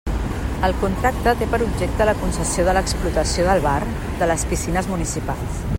El contracte té per objecte la concessió de l'explotació del bar de les piscines municipals.